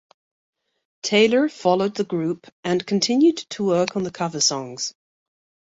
Taylor followed the group, and continued to work on the cover songs.